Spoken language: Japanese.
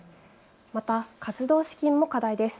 また活動資金も課題です。